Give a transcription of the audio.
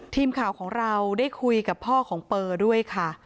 ทีมข่าวของเราได้คุยกับพ่อของเปอร์ด้วยค่ะ